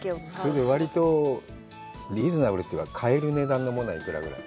それで割と、リーズナブルというか、買える値段は幾らぐらい？